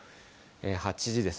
８時です。